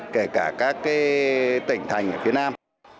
kể cả các tỉnh thành ở phía nam